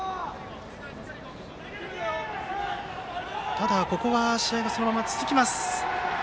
ただ、ここは試合はそのまま続きます。